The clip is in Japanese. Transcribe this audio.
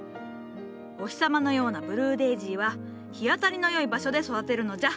お日様のようなブルーデージーは日当たりのよい場所で育てるのじゃ。